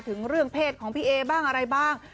ถึงเรื่องเพศของพี่เอบ้างอะไรบ้าง